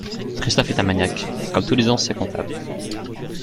Christophe est un maniaque, comme tous les anciens comptables.